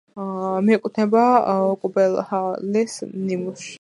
მიეკუთვნება კუპელჰალეს ნიმუშს.